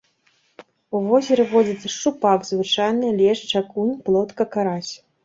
У возеры водзяцца шчупак звычайны, лешч, акунь, плотка, карась.